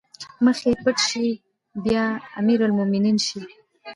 مخ يې پټ شي بيا امرالمومنين شي